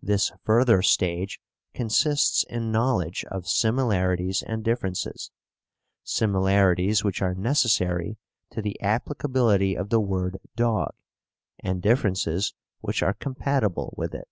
This further stage consists in knowledge of similarities and differences: similarities which are necessary to the applicability of the word "dog," and differences which are compatible with it.